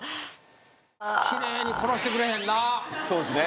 きれいに殺してくれへんなそうですね